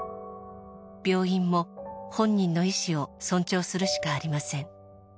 病院も本人の意思を尊重するしかありません。